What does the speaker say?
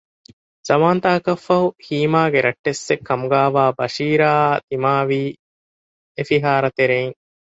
ޒަމާންތަކަކަށްފަހު ފަހީމާގެ ރައްޓެއްސެއް ކަމުގައިވާ ބަޝީރާއާ ދިމާވީ އެފިހާރަ ތެރެއިން